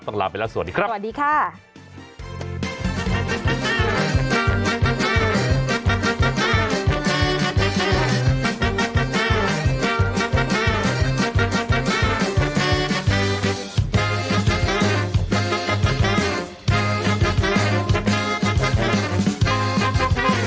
ต่างไปแล้วสวัสดีครับ